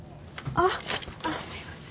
あっすいません。